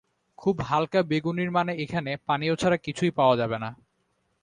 খুব হালকা বেগুনির মানে এখানে পানীয় ছাড়া কিছুই পাওয়া যাবে না।